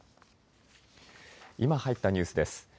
今、入ったニュースです。